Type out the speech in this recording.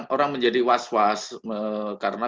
orang menjadi was was karena